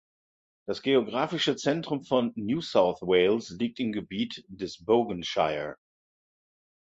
Das geografische Zentrum von New South Wales liegt im Gebiet des Bogan Shire.